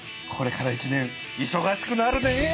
これから１年いそがしくなるね！